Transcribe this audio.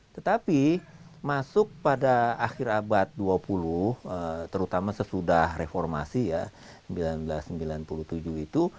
tetapi masuk pada akhir abad dua puluh terutama sesudah reformasi ya seribu sembilan ratus sembilan puluh tujuh itu